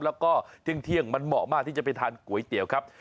แล้วก็เที่ยงมันเหมาะมากที่จะไปทานก๋วยเตี๋ยวครับ